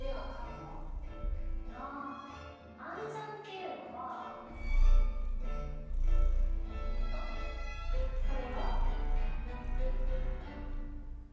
暗算っていうのはこれよ。